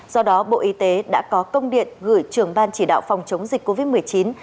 do đó bộ y tế đã có công điện gửi trưởng ban chỉ đạo phòng chống dịch covid một mươi chín